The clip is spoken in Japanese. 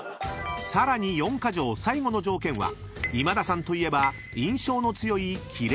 ［さらに４ヶ条最後の条件は今田さんといえば印象の強い］